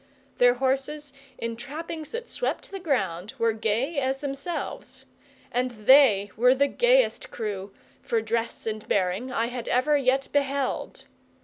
Their horses, in trappings that swept the ground, were gay as themselves; and THEY were the gayest crew, for dress and bearing, I had ever yet beheld.